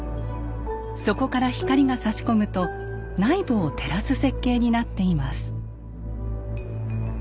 そこから光がさし込むと内部を照らす設計になっています。